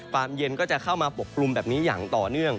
ความเย็นก็จะเข้ามาปกกลุ่มแบบนี้อย่างต่อเนื่อง